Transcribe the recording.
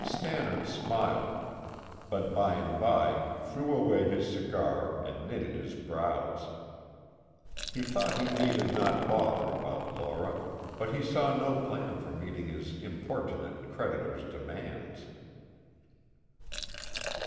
Stannard smiled, but by and by threw away his cigar and knitted his brows. He thought he need not bother about Laura, but he saw no plan for meeting his importunate creditor's demands.